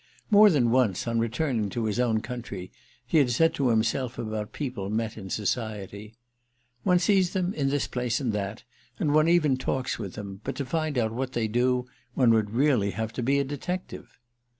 More than once, on returning to his own country, he had said to himself about people met in society: "One sees them in this place and that, and one even talks with them; but to find out what they do one would really have to be a detective."